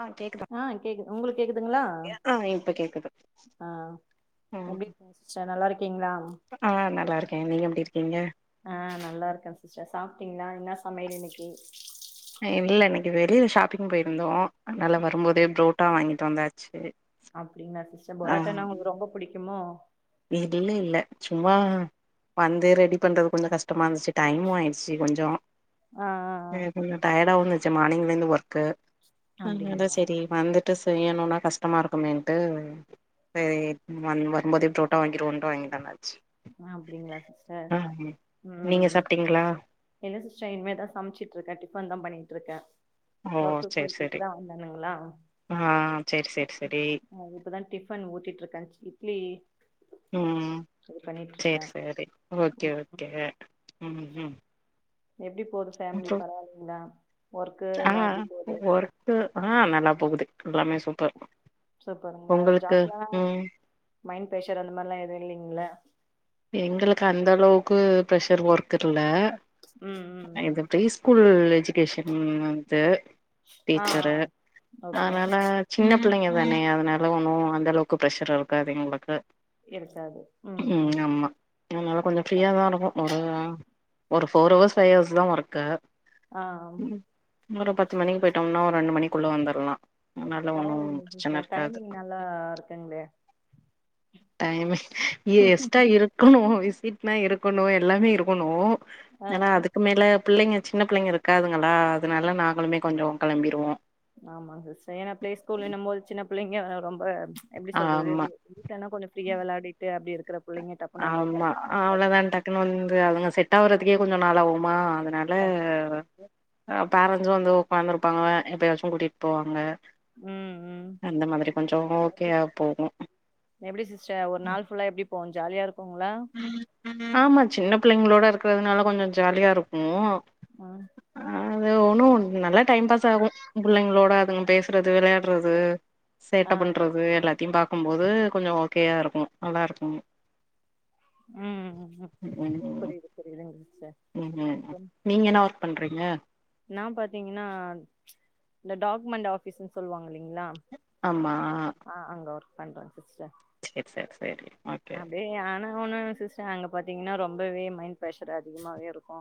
ஆ கேக்குதா ஆ கேக்கு உங்களுக்கு கேக்குதுங்ளா ஆ இப்ப கேக்குது ம் சோ நல்லா இருக்கீங்ளா ஆ நல்லா இருக்கேன் நீங்க எப்டி இருக்கீங்க ஆ நல்லா இருக்கேன் சிஸ்டர் சாப்ட்டீங்ளா இன்னா சமையல் இன்னிக்கி இல்ல இன்னைக்கு வெளியில ஷாப்பிங் போயிருந்தோம் அதனால வரும்போதே புரோட்டா வாங்கிட்டு வந்தாச்சு அப்டிங்ளா சிஸ்டர் பொரோட்டனா உங்களுக்கு ரொம்ப பிடிக்குமோ மீதிமே இல்ல சும்மா வந்து ரெடி பண்றது கொஞ்சம் கஷ்டமா இருந்துச்சு டைமு ஆயிடுச்சு கொஞ்சோ ஆ ஆ ஆ ம் ம் டயர்டாவுந்துச்சு மார்னிங்ல இருந்து ஒர்க்கு ம் அதா அப்டிங்களா சரி வந்துட் டு செய்யணுனா கஷ்டமா இருக்குமேன்ட்டு சரி வந் வரும்போது புரோ ட்டா வாங்கிடுவோன் வாங்கிட்டு வந்தாச்சு அ அப்டிங்ளா சிஸ்டர் ஆ ம் ம் நீங்க ம் ம் சாப்ட்டீங்களா என்ன சிஸ்டர் இனிமே தா சம்ச்சுட்ருக்க டிஃபன் தா பண்ணிகிட்ருக்க ஓ ஒர்க்குக் செரி போயிட்டு இப்ப செரி தா வந்தானுங்களா ஆ செரி செரி செரி ஆ இப்பதா டிஃபன் ஊட்டிட்ருக்க இட்லி ம் இது பண்ணிட்டு இருக்கே செர் செரி ஓகே ஓகே அ ம் ம் எப்டி போது ஃபேமிலி அப்றோ பரவாயில்லீங்ளா ஒர்க்கு ஆ எல்லாம் எப்டி போது ஒர்க்கு ஆ நல்லா போகுது எல்லாமே சூப்பர் சூப்பருங்ளா உங்களுக்கு ஜாப்லா ம் மைண்ட் ப்ரஷர் அந்த மாரிலா எதுவும் இல்லீங்ளா எங்களுக்கு அந்தளவுக்கு ப்ரெஷர் ஒர்க் இல்ல ம் ம் ம் இது ப்ரீ ஸ்கூல் எஜுகேஷன் வந்த்து ஆ ஆ டீச்சரு ஓகே அதனால சின்ன பிள்ளைங்க தானே அதனால ஒன்னும் அந்த அளவுக்கு ப்ரெஷர் இருக்காது எங்ளுக்கு இருக்காது ம் ம் ஆமா அதனால கொஞ்சம் ஃப்ரீயா தா இருக்கும் வரயா ஒரு ஃபோர் ஹவர்ஸ் ஃபைவ் ஹவர்ஸ் தா ஒர்க்கு ஆ ம் ஒரு பத்து மணிக்கு போயிட்டோம்ன்னா ஒரு ரெண்டு மணிக்குள்ள வந்துலாம் பரவாயில்லைங்க டீச்சர் டைமிங் நல்லா இருக்குங்ளே டைமிங் ஏ எஸ் ஆமங்க ஆமாங்க விசிட்லா இருக்கணும் எல்லாமே இருக்கணும் ஆ ஆனா ஆ அது க்கு மேல பிள்ளைங்க சின்ன பிள்ளைங்க இருக்காதுங்களா அதனால நாங்களுமே கொஞ்சோ கெளம்பிருவோம் ஆமாங்க ஸ் சர் ஏன்னா ப்ளே ஸ்கூல் இன்னும் போது சின்ன பிள்ளைங்க ரொம்ப எப்டி சொல்றது ஆமா இருக்கு ஆனா கொஞ்ச ஃப்ரீயா வெளாடிட்டு அப்டி இருக்கற ஆமா அவ்ளதா டக் குன்னு வந்து அவுங்க செட் ஆவுறதுக்கே கொஞ்ச நாள் ஆவுமா அதனால அ பேரண்ட்ஸும் வந்து ஒக்காந்துருப்பாங்க எப்பயாச்சும் கூட்டிட் போவாங்க ம் ம் அந்த மாதிரி கொஞ்சம் ஓகேவா போவும் எப்டி சிஸ்டர் ஒரு நாள் ஃபுல்லா எப்டி போவும் ஜாலியா இருக்குங்ளா ஆமா சின்ன பிள்ளைங்களோட இருக்கிறதுனால கொஞ்சொ ஜாலியா இருக்கு ஆ ஆ அது ஒன்னு நல்லா டைம் பாஸ் ஆகு பிள்ளைங்களோட அதுங்க பேசுறது வெளையாட்றது சேட்ட ஆ பன்றது எல்லாத்தையு பாக்கும்போது கொஞ்சொ ஓகேயா இருக்கு நல்லா இருக்கு ம் ம் ம் புரியுது புரியுதுங்க சிஸ்டர் ம் ம்ம் நீங்க என்ன ஒர்க் பண்றீங்க நா பாத்தீங்னா இந்த டாக்குமென்ட் ஆபீஸ்சுன் சொல்வாங்க இல்லிங்களா ஆமா ஆ அங்க ஒர்க் பண்றங் சிஸ்டர் செர் செர் செரி ஓகே அப்டியே ஆனா ஒண்ணு சிஸ்டர் அங்க பாத்தீங்னா ரொம்பவே மைண்ட் ப்ரெஷர் அதிகமாவே இருக்கு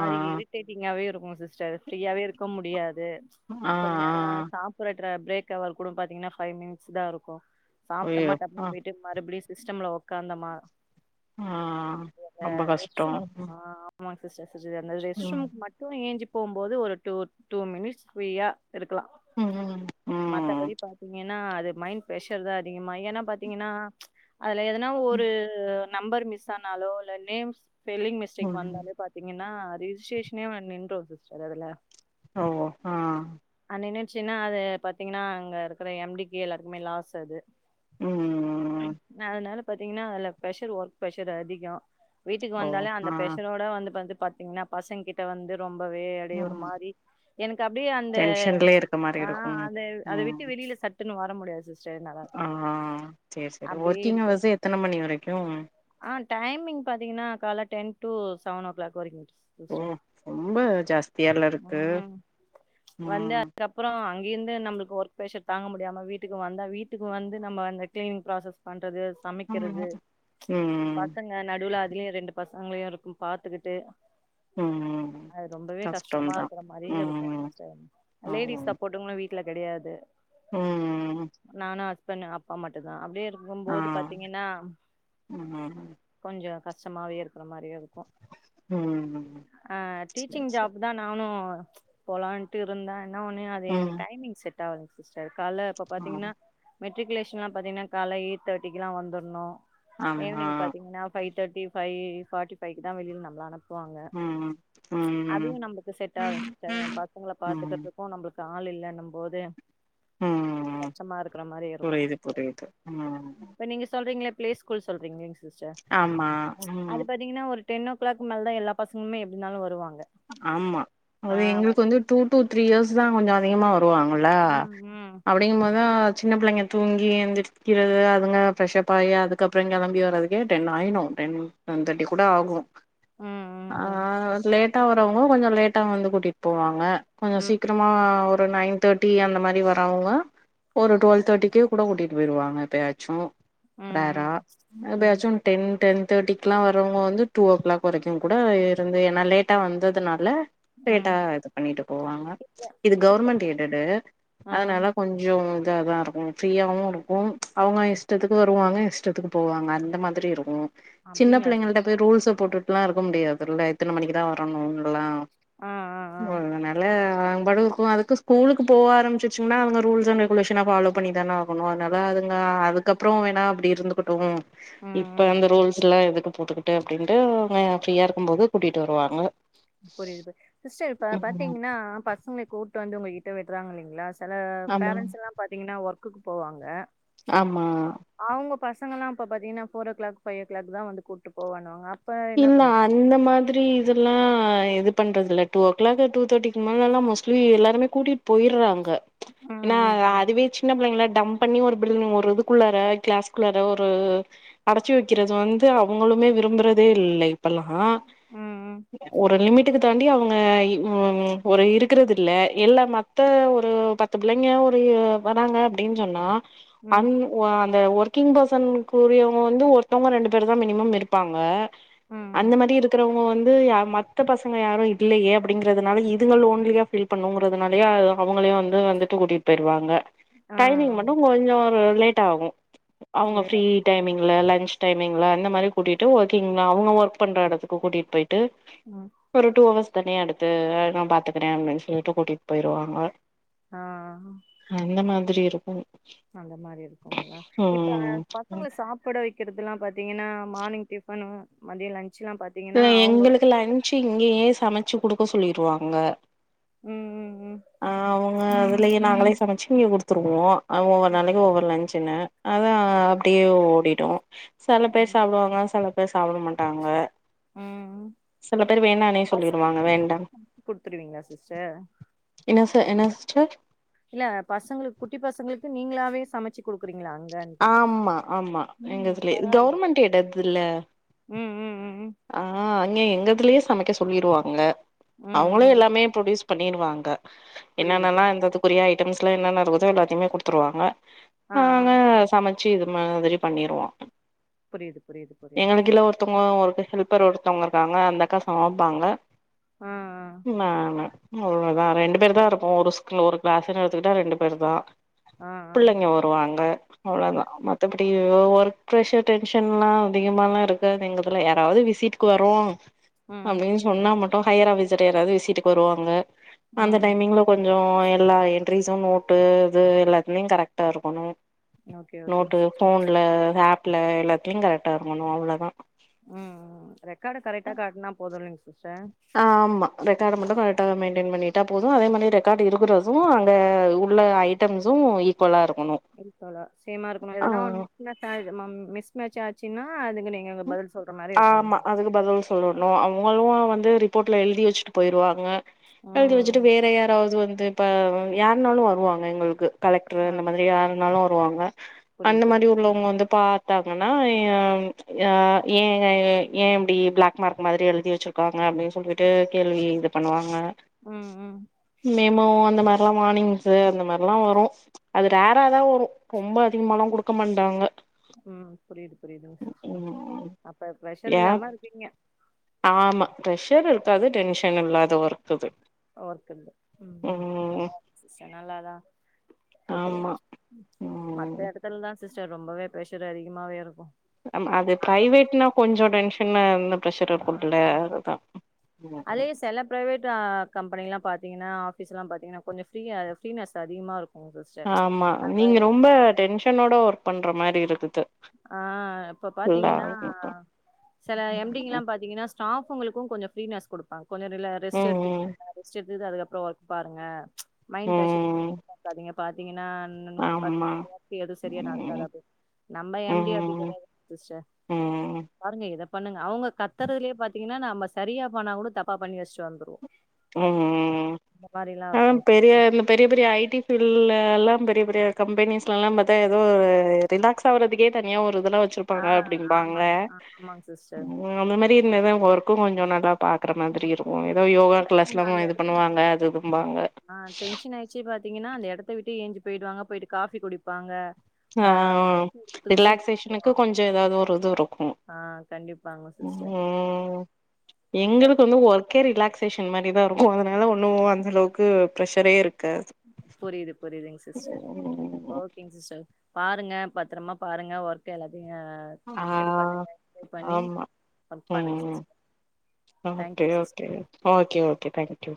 ஆ இருக் இருக்கு சிஸ்டர் ஃப்ரியாவே இருக்க முடியாது ஆ ஆ கொஞ்ச நேர ஆ சாப்புற ட பிரேக் அவர் கூட பாத்தீங்னா பைவ் மினிட்ஸ்தா இருக்கு சாப்டமா ஐயோ ஆ டக்குனு போய்ட்டு மறுபடியு சிஸ்டம்ல ஒக்காந்தமா ஆ ஆ ரொம்ப ரெஸ்ட் கஷ்டோ ரூம் ம் ஆ ஆமாங்க சிஸ்டர் சிஜூவ அந்த ரெஸ்ட் ம் ரூமுக்கு மட்டு ஏஞ்சி போம்போது ஒரு டூ டூ மினிட்ஸ் ஃப்ரீயா இருக்லா ம் ம் மத்தபடி பாத்தீங்கனா அது மைண்ட் ப்ரெஷர்தா அதிகமா ஏனா பாத்தீங்கனா அதுல எதனா ஒரு ம். நம்பர் மிஸ்ஸானாலோ இல்ல நேம் ஸ்பெல்லிங் மிஸ்டேக் ம். வந்தாலோ பாத் த்தீங்கனா ரிஜிஸ்ட்ரேஷனே வ நின்று சிஸ்டர் அதுல ஆமா ஆ நின்னுட்சுனா அது பாத்தீங்கனா அங்க இருக்கிற எம் டி க்கு எல்லார்க்குமே லாஸ் அது ம் நா அதனால பாத்தீங்கனா அதுல ப்ரஷர் ஒர்க் ப்ரெஷர் அதிகொ வீட்டுக்கு ஓ வந்தாலே ஆ அந்த ப்ரஷரோட வந்துபந்து பாத்தீங்னா பசங் கிட்ட வந்து ரொம்பவே அப்டியே ஒரு ம் மாரி எனக் அப்டியே அந்த டென்ஷன்லயே இருக்க மாரி ஆ இருக்கு அதவ் அத விட்டு ம் வெளியில சட்டுனு வர முடியாது சிஸ் ஆ செர் செரி அப்படியே ஒர்க்கிங் இருக்கிற ஹவர்சே எத்தன மணி வரைக்கு ஆ டைமிங் பாத்தீங்கனா கால ten to seven o'clock வரைக்கு சிஸ் ஓ சிஸ்டர் ரொம்ப ஜாஸ்தியால்ல இருக்கு ம் வந்து ம் அதுக்கப் அப்றொ அங்கேர்ந்து நம்பளுக்கு ஒர்க் பிரஷர் தாங்க முடியாம வீட்டுக் வந்தால் வீட்டுக்கு வந்து நம்ம அந்த கிளீனிங் ப்ராசஸ் பண்றது ஆமா சமைக்கிறது ம் பசங்க நடுல அதுலயு ரெண்டு பசங்களயு இருக்கு பாத்துக்கிட்டு ம் அது ரொம்பவே கஷ்டமா கஷ்டம்தா இருக்குற மாரியு இருக்கு ம் சிஸ்டர் ஆமா லேடிஸ் சப்போட்டுங்களு வீட்ல கடையாது ம் நானு ஹஸ்பண்ட் அப்பா மட்டுந்தா அப்டியே ஆ இருக்கும்போது பாத்தீங்கனா ம் கொஞ்சொ கஷ்டமாவே இருக்கிற மாரியு இருக்கு ம் ம் ஆ டீச்சிங் ஜாப்தா நானு போலான்ட்டு இருந்த என்ன ஒண்ணு அது ம் எனக்கு டைமிங் செட் ஆவல சிஸ்டர் கால இப்ப ஆ பாத்தீங்கனா மெட்ரிகுலேஷன்லா பாத்தீங்கனா கால்ல எயிட் தேர்டிக்குலா வந்துணு ஆமா ஈவினி்ங் பாத்தீங்கனா ஃபை தேர்டி ஃபை ஃபாட்டிஃபைவ் க்குதா வெளில நம்மள அனுப்புவாங்க ம் ம் அதுவு நம்மளுக்கு செட் ஆகாது சிஸ்டர் என் பசங்கள ம் பாத்துக்கிறதுக்கு நம்மளுக்கு ஆள் இல்லன்னும் போது ம் கஷ்டமா இருக்கற மாரி இருக்கு புரியுது சிஸ்டர் புரியுது ம் இப்ப நீங்க சொல்றீங்கள பிளே ஸ்கூல் சொல்றீங்கில்லிங் சிஸ்டர் ஆமா அது ம் பாத் திங்கன்னா ஒரு டென் ஓ கிலாக் மேலதா எல்லா பசங்களுமே எப்படினாலும் வருவாங்க ஆமா ஆ அது எங்களுக்கு வந்து டூ டூ த்ரீ இயர்ஸ் தான் கொஞ்ச அதிகமா வருவாங்க கள ம் ம் [unintelligible] அப்டிக்கு போதா சின்ன பிள்ளைங்க தூங்கி எந்திரிக்கிறது அதுங்க ஃபரெஷ்ப் ஆகி அது க்கப்பறம் கிளம்பி வரதுக்கே டென் ஆயிடு டென் டென் தேர்ட்டி கூட ஆகு ம் ம் ஆ ம் லேட்டா வரவங்க கொஞ்ச லேட்டா வந்து கூட்டிட் போவாங்க கொஞ்ச ம் சீக்கிர மா ஒரு நைன் தேர்ட்டி அந்த மாரி வரவங்க ஒரு டுவெல் தேடிக்கே கூட கூட்டிட்டு போய்டுவாங்க எப்பயாச்சு ம் ம் ரேரா ம் எப்பயாச்சு டென் டென் தேர்ட்டிகெல்லா வரவங்க வந்து டூ ஓ கிளாக் வரைக்கு கூட இருந்து ஏன்னா லேட் ட்டா வந்ததுனால ம் லேட்டா இது பண்ணிட்டு போவாங்க இப்ப இது சிஸ்டர் கவர்மெண்ட் எய்டட்டு அதனால கொஞ்சோ இத தா இருக்கு ஃப்ரீயாவு இருக்கும் அவங்க இஷ்டத்துக்கு வருவாங்க இஷ்டத்துக்கு போவாங்க அந்த மாதிரி இருக்கு சின்ன அப்டிங்களா பிள்ளைங்கள்ட்ட போய் சிஸ்டர் ரூல்ஸ போட்டுட் லாம் இருக்க முடியாதுல இத்தன மணிக்கு தா வரணுன்ளா ஆ ஆ ஆ [unintelligible] லா அதுங்க பாட்க்குருக்கு அதுக்கு ஸ்கூலுக்கு போக ஆரம்பிச்சுன்னா அவங்க ரூல்ஸ் அண்ட் ரெகுலேஷன்ஸ ஃபாலோ பண்ணி தான ஆகனு ஒன்னு அதனால அதுங்க அதுக்கப்ரோ வேணா அப்டி இருந்துகட்டு ம் இப்ப ம் அந்த ரூல்ஸ்ல்லா எதுக்கு போட்டுக்கிட்டு அப்டின்ட்டு அவங்க ஃப்ரீயா இருக்குபோது கூட்டிட்டு வருவாங்க புரியுது புரியு சிஸ்டர் இப்ப ம் பாத்தீங்கன்னா பசங்கள கூப்ட்டு வந்து உங்க கிட்ட விட்றாங்க இல்லைங்களா சில ஆமா பேரண்ட்ஸ்ல்லா பாத்தீங்கன்னா ஒர்க்குக்கு போவாங்க ஆம்மா அவங்க பசங்கல்லா அப்ப பாத்தீங்கன்னா four o'clock five o'clock தா வந்து கூப்ட்டு போவானுவாங் இந்தா இந்த மாதிரி இதெல்லா இது பண்றதுல்ல டூ ஓ கிளாக் டூ தேர்ட்டிக்கு மேலல்லா மோஸ்ட்லி எல்லாருமே கூட்டிட் போயிட்றாங்க ம் ஏன்னா ம் ம் அதுவே சின்ன பிள்ளைங்கள டம்ப் பண்ணி ஒரு [unintelligible] ஒரு இதுக்குள்ளாற கிளாஸ் குள்ளாற ஒரு அடச்சி வக்கிறது வந்து அவங்க்ளுமே விரும்புறதே இல்லை ப்லா ம் ஒரு லிமிட்டுக்கு தாண்டி அவங்க ம் ஒரு இரு க்றதில்ல எல்லா மத்த ஒரு பத்து பிள்ளைங்க [unintelligible] வராங்க அப்டின்னு சொன்னா ம் ம் அந் ஒ அந்த ஒர்க்கிங் பர்சன் குரியவங்க வந்து ஒர்த்தவங்க ரெண்டு பேர் தா மினிமம் இருப்பாங்க ம் ம் அந்த மாரி இருக்கிறவங்க வந்து யா ம த்த பசங்க யாரு இல்லயே அப்டிங்கிறதுனால இதுங்க லோன்லியா ஃபீல் பண்ணுங்கறதுனாலயே ஆ அவங்களே வந்து வந்துட்டு கூட்டிட்டு போய்ருவாங்க ஆ டைமிங் ஆ மட்டு கொஞ்சோ லேட் ஆகு அவங்க ஃப்ரீ லேட்டா டைமிங்ல லஞ்ச் டைமிங்ல அந்த மாரி கூட்டிட்டு ஒர்க் கிங்ல அவங்க ஒர்க் பண்ற எடத்துக்கு கூட்டிட்டு போயிட்டு ம் ஒரு டூ அவர்ஸ் தனியா எடுத்து அது நா பாத்துக்ற அப்டின்னு சொல்ட்டு கூட்டிட்டு போயிருவாங்க ஆ அந்த மாதிரி இருக்கு அந்த மாரி இருக்குங்களா இப்ப ம் பசங்களுக் சாப் ப்பட வக்கிறதுலா பாத்தீங்கன்ன மார்னிங் டிஃபனு மதிய லன்ச்லா பாத் எங்களுக்கு லன்ச்சு இங்கயே சமச்சு குடுக்க சொல்லிருவாங்க ம் ம் ஆ அவங்க அதுலயே நாங்களே சமச்சி இங்க குடுத்துருவோ அவ் ஒவ்வொரு ம். நாளைக்கி ஒவ்வொரு லஞ்சுனு அதா அப்டியே ஓடிடு செல பேர் ம் சாப்டுவாங்க செல பேர் சாப்ட மாட்டாங்க ம் சில பேர் வேண்டானே சொல்லிடுவாங்க பசங்களுக்கு வேண்டா [inaudible] குடுத்துருவீங்களா சிஸ்டர் என்ன ச என்ன சிஸ்டர் இல்ல பசங்ளுக்கு குட்டி பசங்ளுக்கு நீங்ளாவே சமச்சி குடுக்றீங்களா அங்க ஆமா ஆமா எங்க ம் இதுலயே பரவால்ல கவர்மெண்ட் எடது இல்ல ம் ம் ம் ஆ அங்க எங்க இதுலயே சமைக்க சொல்லிருவாங்க ம் அவங்களே ம். எல்லாமே ப்ரொடியூஸ் பண்ணிருவாங்க புரியுது என்னென்னலா புரியுது. அந்ததுக்குரிய ஐட்டம்ஸ்லா என்னென்ன இருக்குதோ எல்லாத்தையுமே குடுத்துருவாங்க ஆ ஆ. நாங்க சமச்சி இது மாதிரி பண்ணிருவோ புரிது புரிது புரிது சிஸ் [inaudible] த்தவங்க இருக்காங்க அந்தக்கா சமப்பாங்க ஆ ஆ. நானு அவ்ளோதா ரெண்டு பேர் தா இருப்போ ஒரு ஸ் ஒரு கிளாஸ்ன்னு எடுத்துக்கிட்டா ரெண்டு பேர் தா ஆ ஆ. புள்ளைங்க ஒரு ட்டுவாங்க அவ்ளதா ம் மத்தபடி ஒர்க் ப்ரஷர் டென்ஷன்லா அதிகமால்லா இருக்காது எங்க இதுல அதாவது விசீட்டுக்கு வர்ரோ ம் அப்டின் சொன்னா மட்டு ஹையர் ஆஃபிசர் யாராவது விசிட்டுக்கு வருவாங்க ம் அந்த ம். டைமிங்ள கொஞ்சோ எல்லா என்ட்ரிஸும் நோட்டு இது எல்லாத்துளையு கரெக்ட்டா இருக்கணு ஓகே ஓகேங்க நோட்டு சிஸ்டர். ஃபோன்ல ஆப்ல எல்லாத்திலையு கரெக்ட்டா இருக்கனு அவ்ளோ தா ம் ம் ரெக்காட கரெக்டா காட்னா போது இல்லிங் சிஸ்டர் ஆமா ரெக்காட மட்டு கரெக்டா மெய்ன்டெய்ன் பண்ணிட்டா போது அதே மரி ரெக்கார்டு இருக்கறது அங்க உள்ள ஐ ஐட்டம்சு ஈக்குவலா இருக்கனு ர்கலா சேமா இருக்குனோ எதனா மிஸ் மேட்ச்சா ஆய் மிஸ் மேட்ச்சா ஆச்சின்னா அதுகனே ம் ஆமா அதுக்கு பதில் ஆ சொல்லனு ங்களுவா வந்து ரிப்போர்ட்ல எழுதி வச்சுட்டு போய்ருவாங்க எழுதி வச்சுட்டு ம் வேற யாராவ்து வந்து இப்ப யாருனாலு வருவாங்க எங்ளுக்கு கலெக்ட்ரு ஆ அந்த மாதிரி யாருனாலு வருவாங்க புரியுது அந்த மாரி புரியுது உள்ளவங்க வந்து பாத்தாங்கன்னா ய ஆ் ஏ ஏ இப்டி பிளாக் மார்க் மாதிரி எல்தி வச்சிருக்காங்க அப்டின் சொல்லிட்டு கேள்வி இது பண்ணுவாங்க ம் ம் மேமோ அந்த மார்லா வானிங்கு அந்த மர்லா வரு அது ரேரா தா வரு ரொம்ப அதிகமாலா குடுக்க மாட்டாங்க ம் புரியுது புரியுதுங் சிஸ்டர் ம் அப்ப ப்ரஷர் ஏ இல்லாம இருக்கீங்க ஆமா ப்ரெஷர் இருக்காது டென்ஷன் இல்லாத ஒர்க்கு இது ஒர்க்குது ம் ம் பரவால்ல சிஸ்டர் நல்லாதா ருக்குது ஆமா ம் மத்த எடத்துல்லா சிஸ்டர் ரொம்பவே ப்ரஷர் அதிகமாவேருக்கு ஆமா அது ப்ரைவேட்னா கொஞ்சோ டென்ஷனா இந் ப்ரஷர் ஆ இருக்கும்ல்ல அதுதா ம் ப்ரைவேடா கம்பெனிலா பாத்தீங்கனா ஆஃபீஸ்லா பாத்தீங்கனா கொஞ்சோ ஃப்ரீயா ஃபிரினஸ் அதிகமா இருக் ஆமா நீங்க ரொம்ப டென்ஷனோட ஒர்க் பண்ற மாரி இருக்குது அ இப்ப ஃபுல்லா பாத்தீங்கனா செல எம் ம் டிங்கலா பாத்தீங்கனா ஸ்டாஃபுங்களுகொஞ்சோ ஃப்ரீனஸ் குடுப்பாங் கொஞ்சோ ரில ரெஸ்ட் எடுத் ம் ரெஸ்ட் எடு இது அதுக்கப்றோ ஒர்க் பாருங்க மைன்ட் ப்ரஷர்லேயே ம் பாக்காதீங்க பாத்தீங்கனா ம் ஆமா [inaudible] எதுவு சரியா நடக்காது ம் அப்டினு நம்ம எம் டி அப்டி ம் கெடேயாது சிஸ்டர் ம் பாருங்க இத பண்ணுங்க அவங்க கத்துறதுலேயே பாத்தீங்ன்னா நம்ம சரியா பண்ணா கூட தப்பா பண்ணி வெச்சுட்டு வந்துருவோ ம் ம் இந்த மாரில்லா ஆ இருக்கு பெரிய சிஸ்டர் [unintelligible] பெரிய பெரிய ஐ டி ஃபீல்டுலல்லா பெரிய பெரிய கம்பெனிஸ்லல்லா பாத்தா ஏதோ ஒரு ரிலாக்ஸ் ஆவுறதுக்கே தனியா ஒரு இதல்லா ஆ வெச்சிருப்பாங்க அப்டிம்பாங்க ஆமாங்க ஆ ஆமாங்க சிஸ்டர் ம் அந்த மாரி இருந்தா தா ஒர்க்கோ கொஞ்சோ நல்லா பாக்குற மாதிரி இருக்கோ ஏதோ யோகா அவங்க க்ளாஸ்ல்லா அந்த இது எடத்து பண்ணுவாங்க அது இதும்பாங்க இன்னாச்சி பாத்தீங்கன்னா அந்த எடத்த விட்டே ஏஞ்சி போய்டுவங்க போய்ட்டு காஃபி குடிப்பாங்க ஆ ரூம் ரிலாக்சேஷனுக்கு கொஞ்சோ ஏதாவது ஒரு இது வரு ஆ கண்டிப்பாங்க சிஸ்டர் எங்குளுக்கு வந்து ஒர்க்கே ரிலாக்சேஷன் மாரி தா இருக்கு அதனால ஒன்னு அந்த அளவுக்கு ப்ரெஷரே இருக்காது புரியுது புரியுதுங் சிஸ்டர் ம் ஓக்கேங் சிஸ்டர் பாருங்க பத்ரமா பாருங்க ஒர்க்க எல்லாத்தையு ஆ இது பண்ணுங்க இது பண்ணி ஒர்க் பண்ணுங்க sister okay thank you sister okay okay okay thank you